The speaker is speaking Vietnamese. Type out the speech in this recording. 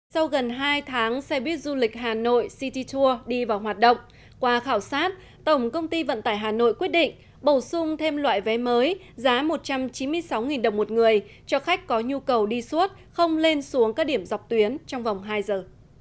sau gần hai tháng xe buýt du lịch hà nội city tour đi vào hoạt động qua khảo sát tổng công ty vận tải hà nội quyết định bổ sung thêm loại vé mới giá một trăm chín mươi sáu đồng một người cho khách có nhu cầu đi suốt không lên xuống các điểm dọc tuyến trong vòng hai giờ